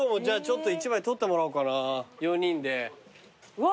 うわ！